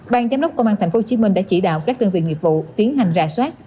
ban giám đốc công an tp hcm đã chỉ đạo các đơn vị nghiệp vụ tiến hành rà soát